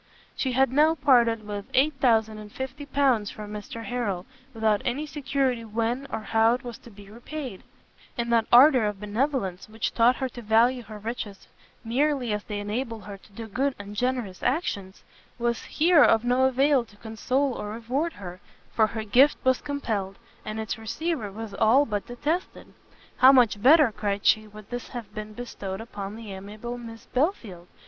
She had now parted with 8050 pounds to Mr Harrel, without any security when or how it was to be paid; and that ardour of benevolence which taught her to value her riches merely as they enabled her to do good and generous actions, was here of no avail to console or reward her, for her gift was compelled, and its receiver was all but detested. "How much better," cried she, "would this have been bestowed upon the amiable Miss Belfield!